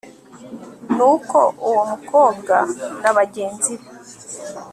nuko uwo mukobwa na bagenzi be